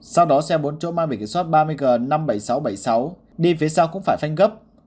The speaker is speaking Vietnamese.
sau đó xe bốn chỗ mang biển kiểm soát ba mươi g năm mươi bảy nghìn sáu trăm bảy mươi sáu đi phía sau cũng phải phanh gấp